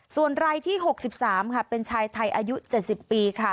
ส่วนรายที่๖๓ค่ะเป็นชายไทยอายุ๗๐ปีค่ะ